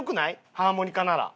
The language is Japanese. ハーモニカなら。